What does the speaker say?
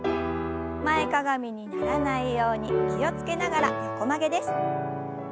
前かがみにならないように気を付けながら横曲げです。